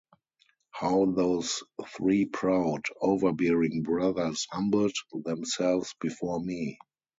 How those three proud, overbearing brothers humbled themselves before me!